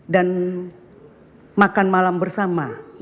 dan makan malam bersama